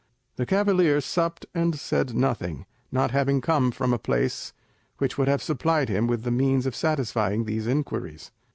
The cavalier supped and said nothing, not having come from a place which would have supplied him with the means of satisfying these inquiries.